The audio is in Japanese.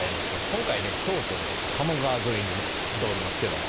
今回ね京都のこの鴨川沿いにね来ておりますけども。